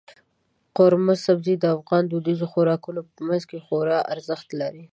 قورمه سبزي د افغاني دودیزو خوراکونو په منځ کې خورا ارزښت لري.